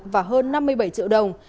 và hơn năm mươi bảy triệu đồng